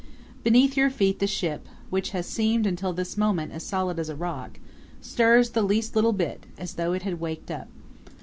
Beneath your feet the ship, which has seemed until this moment as solid as a rock, stirs the least little bit, as though it had waked up.